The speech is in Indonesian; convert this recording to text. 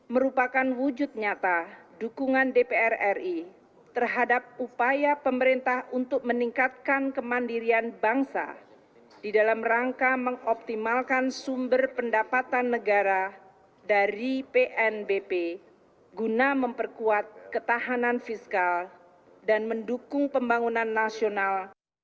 merupakan wujud nyata dukungan dpr ri terhadap upaya pemerintah untuk meningkatkan kemandirian bangsa di dalam rangka mengoptimalkan sumber pendapatan negara dari pnbp guna memperkuat ketahanan fiskal dan mendukung pembangunan nasional